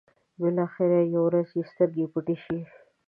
بلاخره يوه ورځ يې سترګې پټې شي.